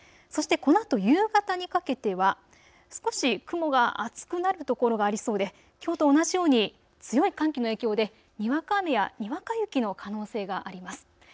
このあと夕方にかけては少し雲が厚くなる所がありそうできょうと同じように強い寒気の影響でにわか雨やにわか雪の可能性があります。